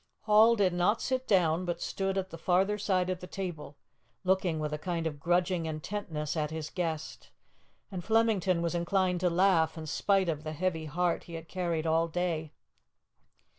Hall did not sit down, but stood at the farther side of the table looking with a kind of grudging intentness at his guest, and Flemington was inclined to laugh, in spite of the heavy heart he had carried all day.